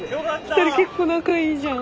２人結構仲いいじゃん。